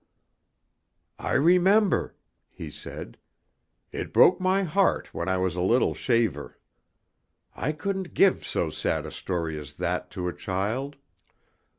"I remember," he said. "It broke my heart when I was a little shaver. I couldn't give so sad a story as that to a child."